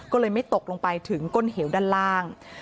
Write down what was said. ก็เลยไม่ตกลงไปถึงก้นเหวด้านล่าง